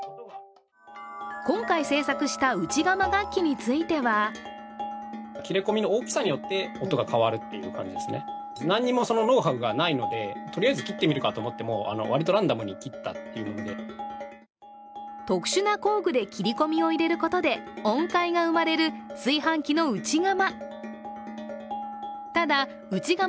今回制作した内釜楽器については特殊な工具で切り込みを入れることで音階が生まれる炊飯器の内釜。